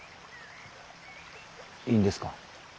いいんですか？